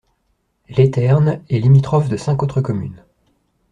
Les Ternes est limitrophe de cinq autres communes.